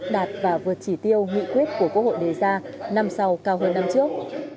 đạt và vượt chỉ tiêu nghị quyết của quốc hội đề ra năm sau cao hơn năm trước